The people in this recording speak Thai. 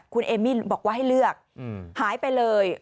คุณเอมินบอกว่าให้เลือกหายไปเลย